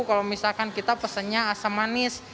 kalau misalkan kita pesennya asam manis